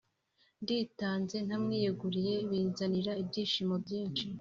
Nditanze ntamwiyeguriye binzanira ibyishimo byinshi